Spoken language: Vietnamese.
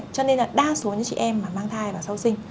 cho nên là đa số những chị em mà mang thai và sau sinh